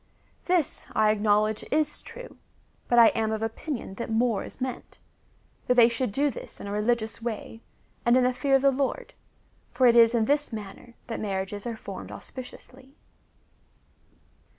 This, I acknowledge, is true, but I am of oj)inion that more is meant — that they should do this in a religious way, and in the fear of the Lord,* for it is in this manner that marriages are formed auspiciously.